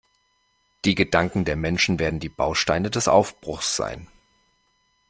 Die Gedanken der Menschen werden die Bausteine des Aufbruchs sein.